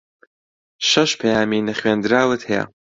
شەش پەیامی نەخوێندراوت ھەیە.